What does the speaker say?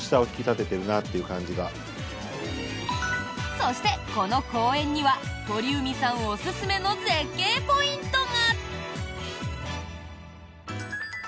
そして、この公園には鳥海さんおすすめの絶景ポイントが。